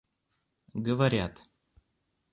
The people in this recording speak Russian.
говорят